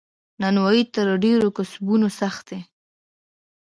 نانوایې تر ډیرو کسبونو سخته ده.